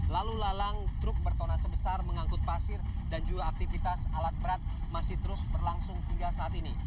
lalu lalang truk bertona sebesar mengangkut pasir dan juga aktivitas alat berat masih terus berlangsung hingga saat ini